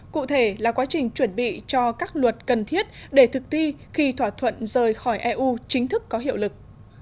cụ thể là quá trình chuẩn bị cho các luật cần thiết để thực thi khi thỏa thuận rời khỏi eu chính thức có hiệu lực